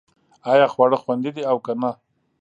ایا خواړه خوندي دي او که نه